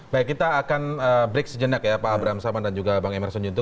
baik kita akan break sejenak ya pak abraham saman dan juga bang emerson yunto